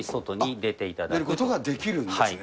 出ることができるんですね。